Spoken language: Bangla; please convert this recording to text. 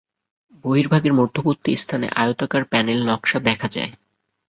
বহির্ভাগের মধ্যবর্তী স্থানে আয়তাকার প্যানেল নকশা দেখা যায়।